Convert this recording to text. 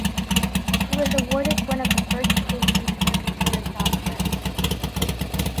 She was awarded one of the first patents for computer software.